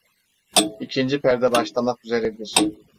İkinci perde başlamak üzeredir.